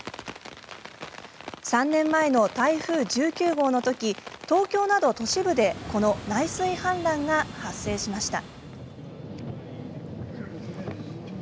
３年前の台風１９号のとき東京など都市部でこの内水氾濫が発生しました。